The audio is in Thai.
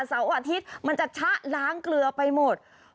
เสาร์อาทิตย์มันจะชะล้างเกลือไปหมด